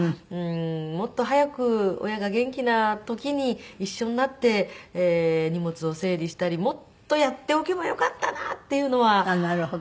もっと早く親が元気な時に一緒になって荷物を整理したりもっとやっておけばよかったなっていうのはありますね。